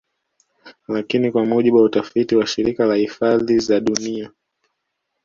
Lakini kwa mujibu wa utafiti wa Shirika la hifadhi za dunia